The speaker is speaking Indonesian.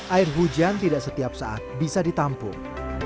air hujan tidak setiap saat bisa ditampung